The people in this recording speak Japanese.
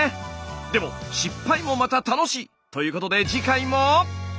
でも失敗もまた楽し！ということで次回も。